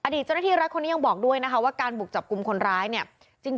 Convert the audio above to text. เจ้าหน้าที่รัฐคนนี้ยังบอกด้วยนะคะว่าการบุกจับกลุ่มคนร้ายเนี่ย